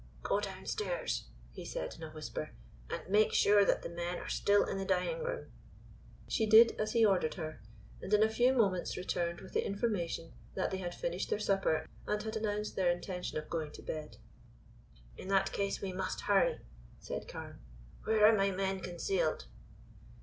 "Go downstairs," he said in a whisper, "and make sure that the men are still in the dining room." She did as he ordered her, and in a few moments returned with the information that they had finished their supper and had announced their intention of going to bed. "In that case we must hurry," said Carne. "Where are my men concealed?"